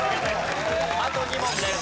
あと２問です。